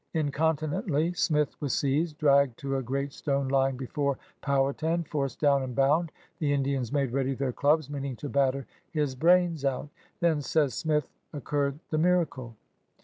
Incontinently Smith was seized, dragged to a great stone lying before Powhatan, forced down and bound. The Indians made ready their dubs, meaning to batter his brains out. Then, says Smith, occurred the miracle.